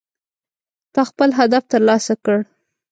تا خپل هدف ترلاسه کړ